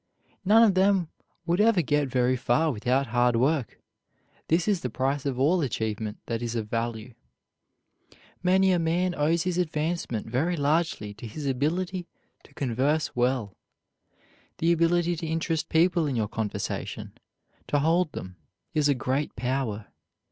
None of them would ever get very far without hard work. This is the price of all achievement that is of value. Many a man owes his advancement very largely to his ability to converse well. The ability to interest people in your conversation, to hold them, is a great power.